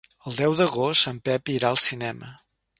El deu d'agost en Pep irà al cinema.